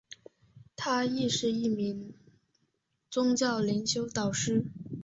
她亦是一名宗教灵修导师。